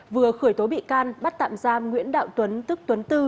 vừa khởi tố bị can bắt tạm giam nguyễn đạo tuấn